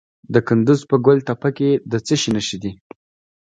د کندز په ګل تپه کې د څه شي نښې دي؟